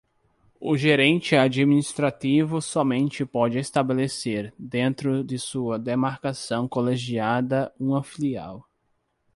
O gerente administrativo somente pode estabelecer, dentro de sua demarcação colegiada, uma filial.